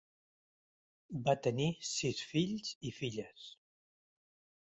Va tenir sis fills i filles.